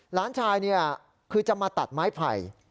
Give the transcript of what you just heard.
หลานชายคือจะมาตัดไม้ไผ่